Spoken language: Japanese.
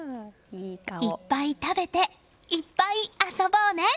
いっぱい食べていっぱい遊ぼうね！